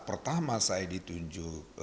pertama saya ditunjuk